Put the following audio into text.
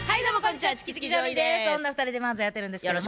女２人で漫才やってるんですけども。